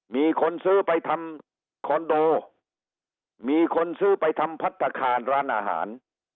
มีคนซื้อไปทำคอนโดมีคนซื้อไปทำพัฒนาคารร้านอาหาร